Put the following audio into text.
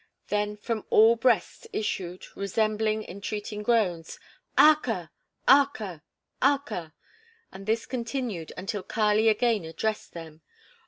Then from all breasts issued, resembling entreating groans, "Aka! Aka! Aka!" and this continued until Kali again addressed them.